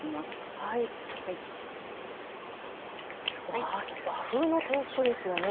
わあ和風のテイストですよね。